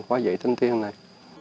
hóa dạy thanh thiên này